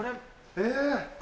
えっ？